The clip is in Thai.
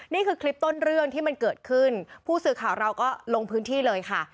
นี่คือคลิปต้นเรื่องที่มันเกิดขึ้นผู้สื่อข่าวเราก็ลงพื้นที่เลยค่ะ